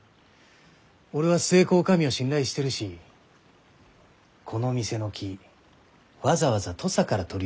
俺は寿恵子女将を信頼してるしこの店の木わざわざ土佐から取り寄せたものだろう？